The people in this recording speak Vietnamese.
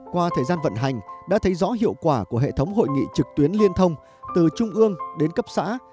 qua thời gian vận hành đã thấy rõ hiệu quả của hệ thống hội nghị trực tuyến liên thông từ trung ương đến cấp xã